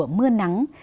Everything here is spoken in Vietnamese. nơi gió mưa nắng